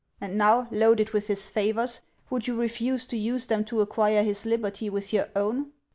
And now, loaded with his favors, would you refuse to use them to acquire his liberty with your own